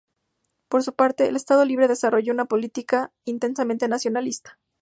Por su parte, el Estado Libre desarrolló una política intensamente nacionalista.